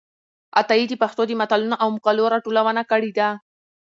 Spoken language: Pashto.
عطايي د پښتو د متلونو او مقالو راټولونه کړې ده.